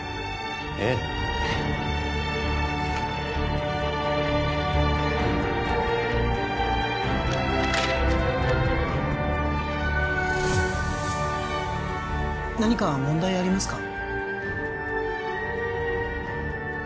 ええ何か問題ありますか？